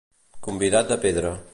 Convidat de pedra.